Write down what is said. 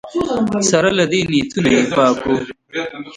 سره له دې نیتونه پاک وو